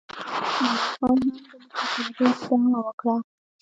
مومن خان هم د مشرتابه دعوه وکړه.